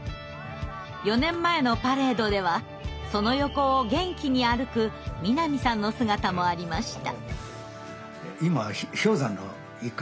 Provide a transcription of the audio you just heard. ４年前のパレードではその横を元気に歩く南さんの姿もありました。